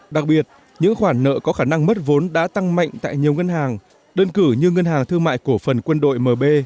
đặc biệt những khoản nợ có khả năng mất vốn đã tăng mạnh tại nhiều ngân hàng đơn cử như ngân hàng thương mại cổ phần quân đội mb